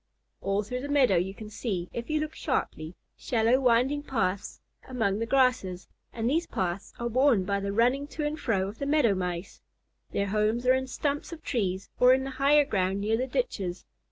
All through the meadow you can see, if you look sharply, shallow winding paths among the grasses, and these paths are worn by the running to and fro of the Meadow Mice. Their homes are in stumps of trees or in the higher ground near the ditches.